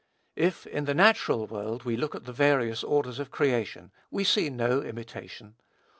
If, in the natural world, we look at the various orders of creation, we see no imitation.